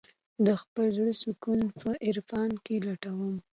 د خپل زړه سکون په عرفان کې لټوم.